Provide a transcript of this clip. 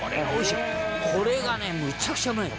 「これがねむちゃくちゃうまいの」